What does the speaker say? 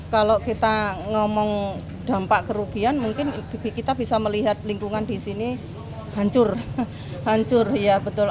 kalau kita ngomong dampak kerugian mungkin kita bisa melihat lingkungan di sini hancur ya betul